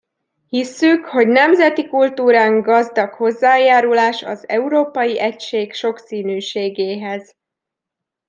Hisszük, hogy nemzeti kultúránk gazdag hozzájárulás az európai egység sokszínűségéhez.